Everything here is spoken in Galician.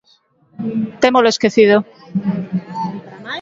Témolo esquecido!